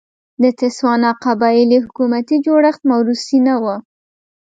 د تسوانا قبایلي حکومتي جوړښت موروثي نه و.